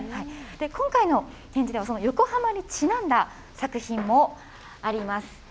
今回の展示ではその横浜にちなんだ作品もあります。